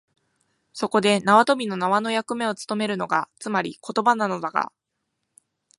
そこで縄跳びの縄の役目をつとめるのが、つまり言葉なのだが、